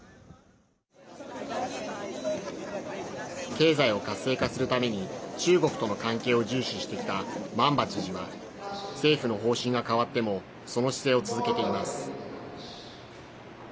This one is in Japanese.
経済を活性化するために中国との関係を重視してきたマンバ知事は政府の方針が変わってもその姿勢を続けています。